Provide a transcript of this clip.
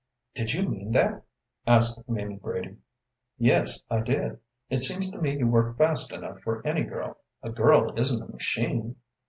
"Did you mean that?" asked Mamie Brady. "Yes, I did. It seems to me you work fast enough for any girl. A girl isn't a machine."